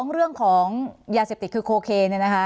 ๒เรื่องของยาเสียบติดคือโคเคนะคะ